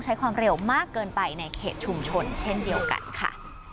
ใช้ความเร็วมากเกินไปในเขตชุมชนเช่นเดียวกันค่ะ